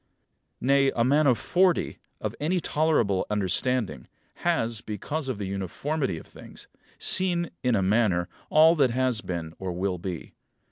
Nay, a man of forty, of any tolerable understanding, has, because of the uniformity of things, seen, in a manner, all that has been or will be.